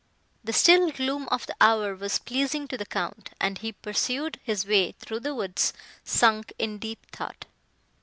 The still gloom of the hour was pleasing to the Count, and he pursued his way through the woods, sunk in deep thought.